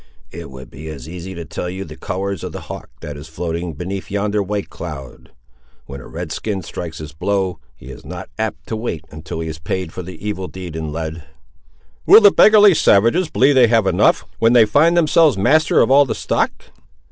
"It would be as easy to tell you the colours of the hawk that is floating beneath yonder white cloud! When a red skin strikes his blow, he is not apt to wait until he is paid for the evil deed in lead." "Will the beggarly savages believe they have enough, when they find themselves master of all the stock?"